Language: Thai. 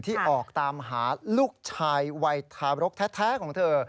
ออกตามหาลูกชายวัยทารกแท้ของเธอ